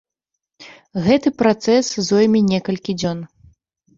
Гэты працэс зойме некалькі дзён.